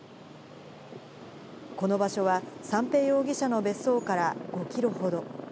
この場所は、三瓶容疑者の別荘から５キロほど。